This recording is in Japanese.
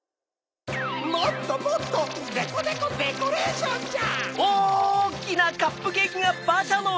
もっともっとデコデコデコレーションじゃ！